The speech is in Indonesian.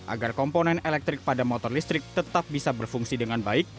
agar komponen elektrik pada motor listrik tetap bisa berfungsi dengan baik